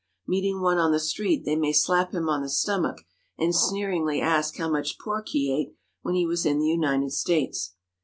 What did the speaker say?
Meeting one on the street they may slap him on the stomach and sneeringly ask how much pork he ate when he was in the United States.